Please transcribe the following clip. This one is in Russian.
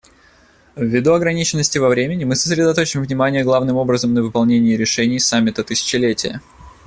Ввиду ограниченности во времени мы сосредоточим внимание главным образом на выполнении решений Саммита тысячелетия.